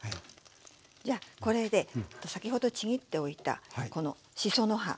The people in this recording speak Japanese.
じゃあこれで先ほどちぎっておいたこのしその葉。